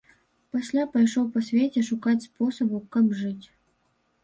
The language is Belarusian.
Пасля пайшоў па свеце шукаць спосабу, каб жыць.